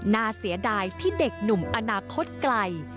เสียดายที่เด็กหนุ่มอนาคตไกล